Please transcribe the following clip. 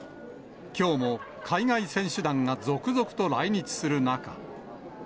きょうも、海外選手団が続々と来日する中。